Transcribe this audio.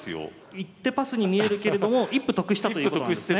一手パスに見えるけれども一歩得したということなんですね。